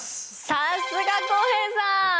さっすが浩平さん！